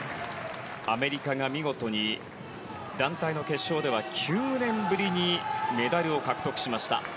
アメリカが見事に団体の決勝では９年ぶりにメダルを獲得しました。